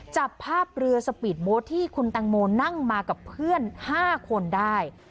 จับภาพเรือสปีดโบ๊ทที่คุณตังโมนั่งมากับเพื่อน๕คนได้